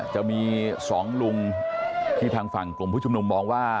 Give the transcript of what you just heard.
จะมี๒ลุงที่ทางฝั่งกลุ่มผู้ชุมนุมมองว่า